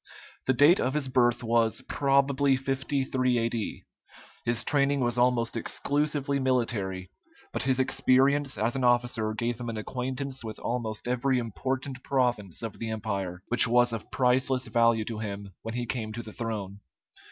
The date of his birth was probably 53 A.D. His training was almost exclusively military, but his experience as an officer gave him an acquaintance with almost every important province of the empire, which was of priceless value to him when he came to the throne.